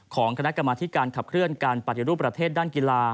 ของคณะกรรมธิการขับเคลื่อนการปฏิรูปประเทศด้านกีฬา